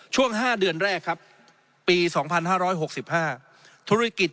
ช่วงห้าเดือนแรกครับปีสองพันห้าร้อยหกสิบห้าธุรกิจ